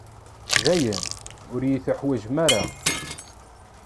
Dayen, ur yi-teḥwaǧem ara.